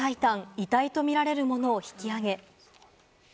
遺体とみられるものを引き揚げ。